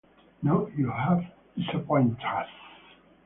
No, you have disappointed us.